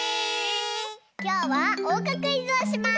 きょうはおうかクイズをします！